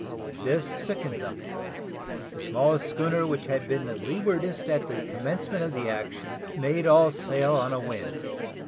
This sickened them; the smallest schooner which had been the leewardest at the commencement of the action, made all sail on a wind.